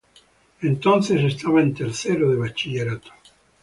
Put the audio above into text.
Entonces estaba en tercero de bachillerato.